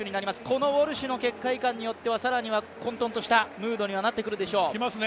このウォルシュの結果いかんによっては、さらには混とんとしたムードになってくるでしょう。